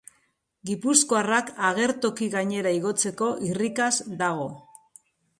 Gipuzkoarrak agertoki gainera igotzeko irrikaz dago.